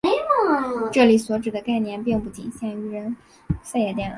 这里所指的概念并不仅限于人。